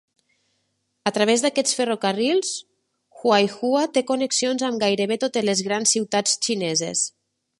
A través d'aquests ferrocarrils, Huaihua té connexions amb gairebé totes les grans ciutats xineses.